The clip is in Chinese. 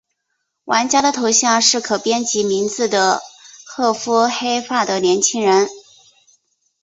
玩家的头像是可编辑名字的褐肤黑发的年轻人。